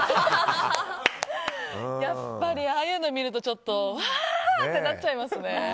やっぱりああいうのを見るとわー！ってなっちゃいますね。